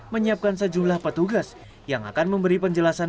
menyiapkan sejumlah petugas yang akan memberi penjelasan